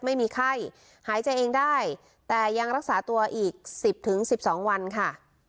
ไม่มีไข้หายใจเองได้แต่ยังรักษาตัวอีก๑๐๑๒วันค่ะ